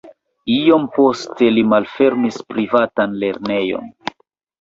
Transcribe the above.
Iom poste li malfermis privatan lernejon.